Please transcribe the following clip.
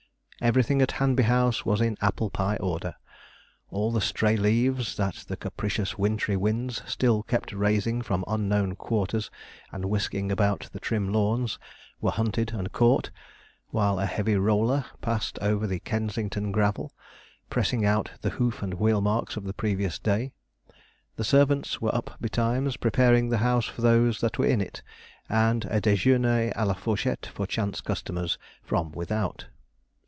Everything at Hanby House was in apple pie order. All the stray leaves that the capricious wintry winds still kept raising from unknown quarters, and whisking about the trim lawns, were hunted and caught, while a heavy roller passed over the Kensington gravel, pressing out the hoof and wheelmarks of the previous day. The servants were up betimes, preparing the house for those that were in it, and a déjeûner à la fourchette for chance customers, from without.